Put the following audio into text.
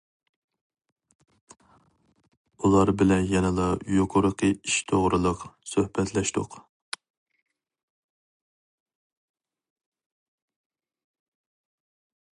ئۇلار بىلەن يەنىلا يۇقىرىقى ئىش توغرىلىق سۆھبەتلەشتۇق.